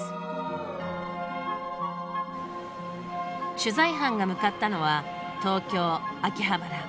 取材班が向かったのは東京・秋葉原。